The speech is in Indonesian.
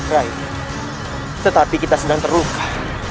baik tetapi kita sedang terluka